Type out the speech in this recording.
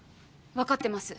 わかってます